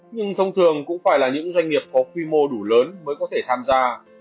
nhưng thông thường cũng phải là những doanh nghiệp có quy mô đủ lớn mới có thể tham gia